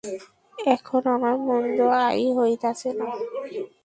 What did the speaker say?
এখন আমার মন্দ আয় হইতেছে না।